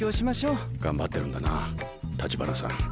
頑張ってるんだな橘さん。